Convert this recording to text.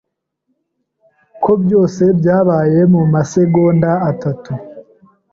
Ko byose byabaye mumasegonda atatu.